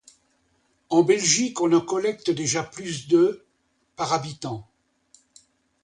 En Belgique, on en collecte déjà plus de par habitant.